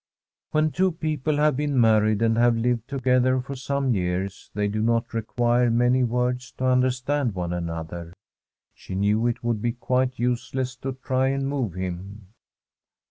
When two people have been married, and have lived together for some years, they do not require many words to understand one another. She knew it would be quite useless to try and move him.